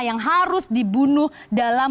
yang harus dibunuh dalam